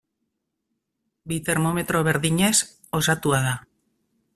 Bi termometro berdinez osatua da.